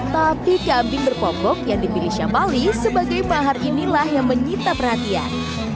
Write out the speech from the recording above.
tapi kambing berpobok yang dipilih syamali sebagai mahar inilah yang menyita perhatian